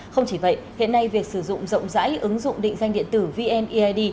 không chỉ vậy hiện nay việc sử dụng rộng rãi ứng dụng định danh điện tử vneid